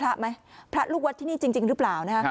นี่ใช่พระมั้ยพระลูกวัดที่นี่จริงหรือเปล่า